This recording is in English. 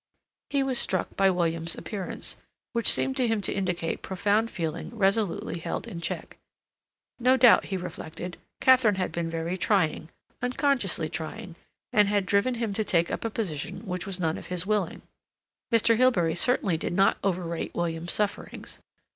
He was struck by William's appearance, which seemed to him to indicate profound feeling resolutely held in check. No doubt, he reflected, Katharine had been very trying, unconsciously trying, and had driven him to take up a position which was none of his willing. Mr. Hilbery certainly did not overrate William's sufferings.